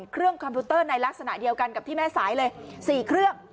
คอมพิวเตอร์ในลักษณะเดียวกันกับที่แม่สายเลย๔เครื่อง